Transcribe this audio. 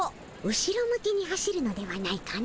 後ろ向きに走るのではないかの？